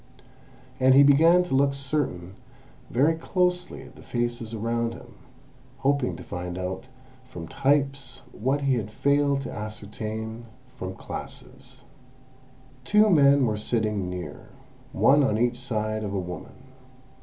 And he began to look very closely at the faces around him, hoping to find out from types what he had failed to ascertain from classes. Two men were sitting near, one on each side of a woman.